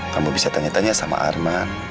kamu bisa tanya tanya sama arma